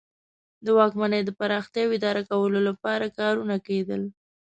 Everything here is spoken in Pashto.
د واکمنۍ د پراختیا او اداره کولو لپاره کارونه کیدل.